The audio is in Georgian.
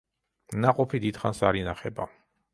ნაყოფი დიდხანს არ ინახება.